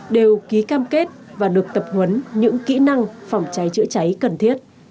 đều ký cam kết và được tập huấn những kỹ năng phòng cháy chữa cháy cần thiết